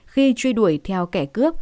khi truy đuổi theo kẻ cướp